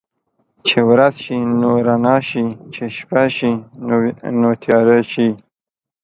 چې ورځ شي نو رڼا شي، چې شپه شي نو تياره شي.